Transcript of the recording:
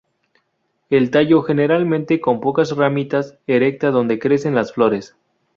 El tallo, generalmente con pocas ramitas erectas donde crecen las flores.